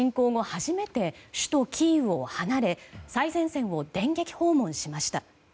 初めて首都キーウを離れ最前線を電撃訪問しました。